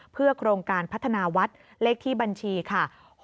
เพื่อโครงการพัฒนาวัดเลขที่บัญชีค่ะ๖๗๖๐๒๗๗๗๗๙